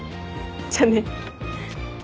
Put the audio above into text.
じゃあね。